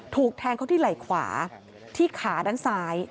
ถูกแทงเขาที่ไหล่ขวาที่ขาด้านซ้าย